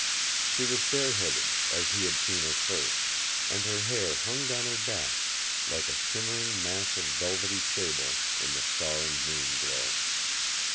She was bareheaded, as he had seen tier first, and her hair hung down her back like a shimmering mass of velvety sable in the star and moon glow.